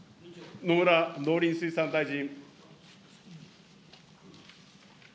野村農林水産大臣。